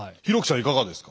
いかがですか？